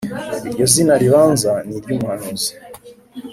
iryo zina ribanza ni iry’umuhanuzi